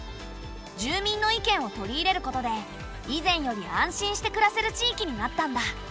住民の意見を取り入れることで以前より安心して暮らせる地域になったんだ。